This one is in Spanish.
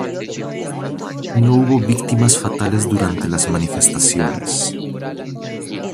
No hubo víctimas fatales durante las manifestaciones.